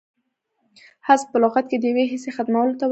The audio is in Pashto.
حذف په لغت کښي د یوې حصې ختمولو ته وايي.